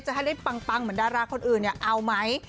ให้ได้ปังเหมือนดาราคนอื่นเนี่ยเอาไหม